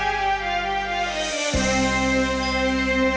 ถ้าคุณจะให้ผมดังมาก